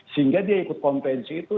sehingga dia ikut konvensi itu